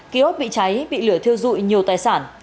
ký ốt bị cháy bị lửa thiêu dụi nhiều tài sản